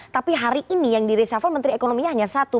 tapi hari ini yang di reshuffle menteri ekonominya hanya satu